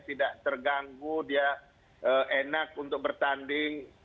tidak terganggu dia enak untuk bertanding